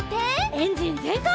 エンジンぜんかい！